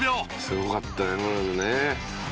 「すごかったもんね」